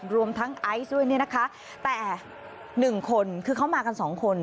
รวมทั้งไอซ์ด้วยนะคะแต่๑คนคือเขามากัน๒คน